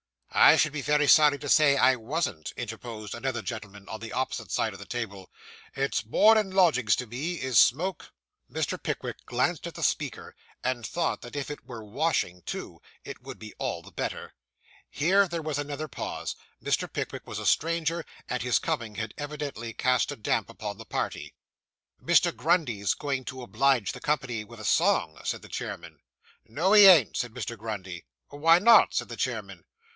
'I should be very sorry to say I wasn't,' interposed another gentleman on the opposite side of the table. 'It's board and lodgings to me, is smoke.' Mr. Pickwick glanced at the speaker, and thought that if it were washing too, it would be all the better. Here there was another pause. Mr. Pickwick was a stranger, and his coming had evidently cast a damp upon the party. 'Mr. Grundy's going to oblige the company with a song,' said the chairman. 'No, he ain't,' said Mr. Grundy. 'Why not?' said the chairman.